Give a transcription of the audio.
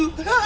tuh tuh tuh